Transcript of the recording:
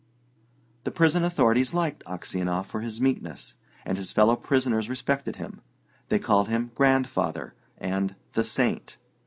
The prison authorities liked Aksionov for his meekness, and his fellow prisoners respected him: they called him "Grandfather," and "The Saint."